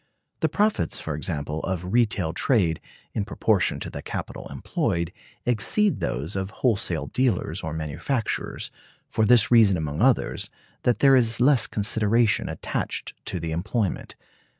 The profits, for example, of retail trade, in proportion to the capital employed, exceed those of wholesale dealers or manufacturers, for this reason among others, that there is less consideration attached to the employment.